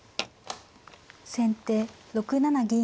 先手６七銀。